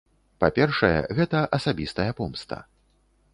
Па-першае, гэта асабістая помста.